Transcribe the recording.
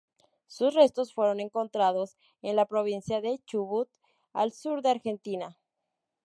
Sus restos fueron encontrados en la provincia de Chubut, al sur de Argentina.